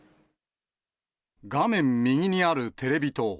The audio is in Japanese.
画面右にあるテレビ塔。